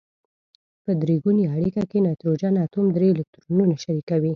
په درې ګونې اړیکه کې نایتروجن اتوم درې الکترونونه شریکوي.